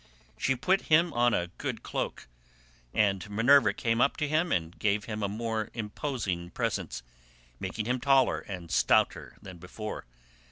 She put him on a good cloak, and Minerva came up to him and gave him a more imposing presence, making him taller and stouter than before.